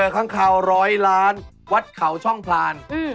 ข้างคาวร้อยล้านวัดเขาช่องพลาน